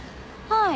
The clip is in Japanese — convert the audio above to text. はい。